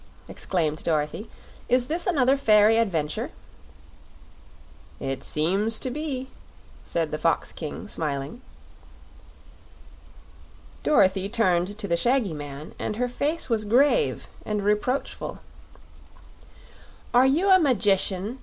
exclaimed Dorothy; "is this another fairy adventure?" "It seems to be," said the Fox King, smiling. Dorothy turned to the shaggy man, and her face was grave and reproachful. "Are you a magician?